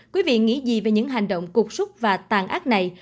quý vị nghĩ gì về những hành động cục súc và tàn ác này